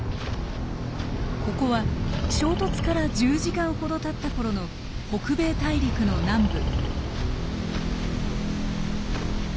ここは衝突から１０時間ほどたったころの北米大陸の南部。